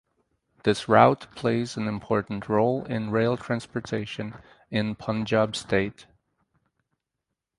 This route plays an important role in rail transportation in Punjab state.